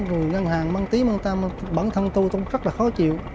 của ngân hàng bán tiếng bán tàu mà bản thân tôi cũng rất là khó chịu